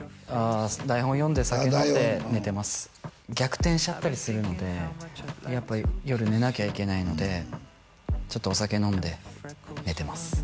ああ台本読んで酒飲んで寝てます逆転しちゃったりするのでやっぱ夜寝なきゃいけないのでちょっとお酒飲んで寝てます